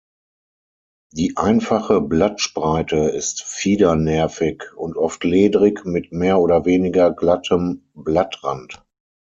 Die einfache Blattspreite ist fiedernervig und oft ledrig mit mehr oder weniger glattem Blattrand.